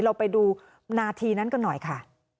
เราไปดูนาทีนั้นกันหน่อยค่ะ